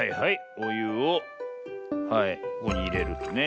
おゆをはいここにいれるとね。